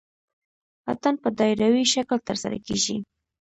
اتن په دایروي شکل ترسره کیږي.